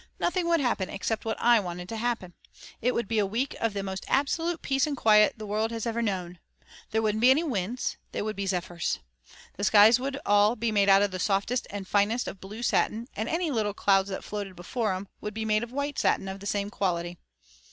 Nothing would happen except what I wanted to happen. It would be a week of the most absolute peace and quiet the world has ever known. There wouldn't be any winds, they would be zephyrs. The skies would all be made out of the softest and finest of blue satin and any little clouds that floated before 'em would be made of white satin of the same quality.